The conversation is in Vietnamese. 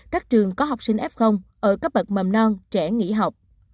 các trường có học sinh f ở cấp bậc mầm non trẻ nghỉ học